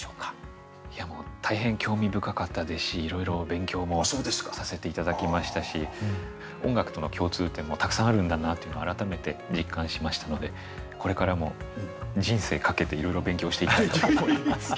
いやもう大変興味深かったですしいろいろ勉強もさせて頂きましたし音楽との共通点もたくさんあるんだなっていうのを改めて実感しましたのでこれからも人生かけていろいろ勉強をしていきたいと思います。